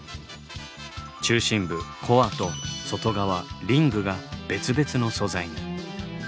中心部「コア」と外側「リング」が別々の素材に。